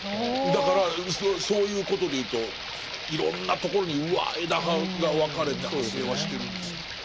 だからそういうことでいうといろんなところにうわ枝葉が分かれて派生はしてるんですね。